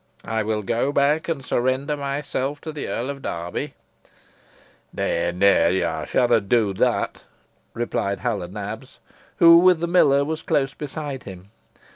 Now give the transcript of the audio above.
I will go back and surrender myself to the Earl of Derby." "Nah, nah! yo shanna do that," replied Hal o' Nabs, who, with the miller, was close beside him.